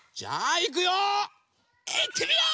いってみよう！